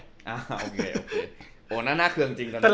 โอเคโอ้นั่นน่าเคืองจริงตอนนั้น